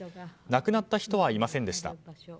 亡くなった人はいませんでした。